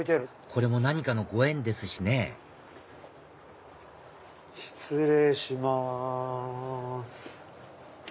これも何かのご縁ですしね失礼します。